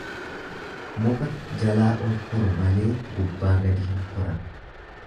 Muka jalaa ol koru malee gubbaa gadi hin koran.